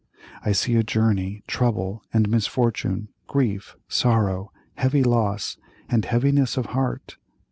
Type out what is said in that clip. I see a journey, trouble, and misfortune, grief, sorrow, heavy loss, and heaviness of heart.